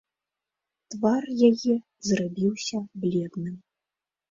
Твар яе зрабіўся бледным.